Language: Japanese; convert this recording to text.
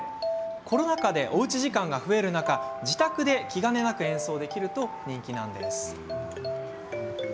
コロナ禍でおうち時間が増える中自宅で気兼ねなく演奏できると人気です。